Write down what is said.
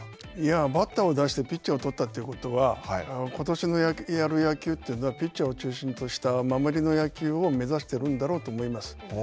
バッターを出してピッチャーを取ったということはことしのやる野球というのはピッチャーを中心とした守りの野球を目指してるんだろうと思います。